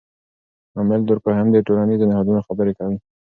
امیل دورکهایم د ټولنیزو نهادونو خبره کوي.